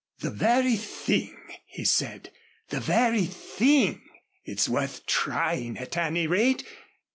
"The very thing," he said. "The very thing. It's worth trying at any rate.